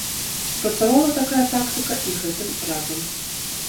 Спрацавала такая тактыка і гэтым разам.